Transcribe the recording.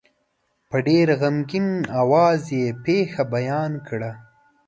په ډېر غمګین آواز یې پېښه بیان کړه.